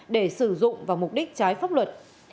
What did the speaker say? để sử dụng và mục đích trái pháp luật